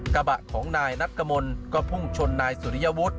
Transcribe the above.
กระบะของนายนัทกมลก็พุ่งชนนายสุริยวุฒิ